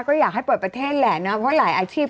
ก็อยากให้เปิดประเทศแหละนะเพราะหลายอาชีพก็รออยู่